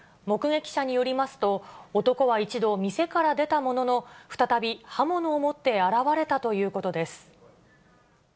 目撃者によりますと、男は一度、店から出たものの、再び刃物を持って現れたということです。